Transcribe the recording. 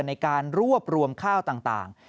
ในการรวบรวมข้าวต่าง